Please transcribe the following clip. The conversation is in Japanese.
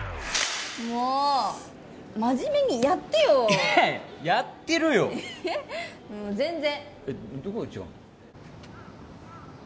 もう真面目にやってよやってるよもう全然えっどこが違うの？